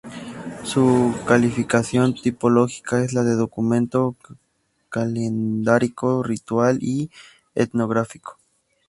Su calificación tipológica es la de documento calendárico-ritual y etnográfico.